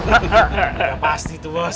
gak pasti tuh bos